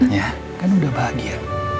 ya kan udah bahagia